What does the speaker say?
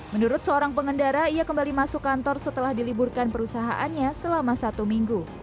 menurut seorang pengendara ia kembali masuk kantor setelah diliburkan perusahaannya selama satu minggu